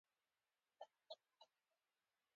دا وګړي له ګڼو ستونزو سره مخ دي.